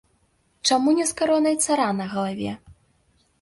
Чаму не з каронай цара на галаве?